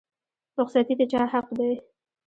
رخصتي د چا حق دی؟